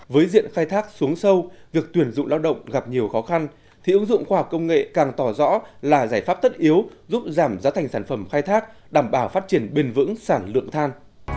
với diện khai thác xuống sâu việc tuyển dụng lao động gặp nhiều khó khăn thì ứng dụng khoa học công nghệ càng tỏ rõ là giải pháp tất yếu giúp giảm giá thành sản phẩm khai thác đảm bảo phát triển bền vững sản lượng than